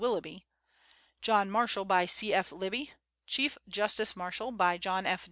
Willoughby; John Marshall, by C.F. Libby; Chief Justice Marshall, by John F.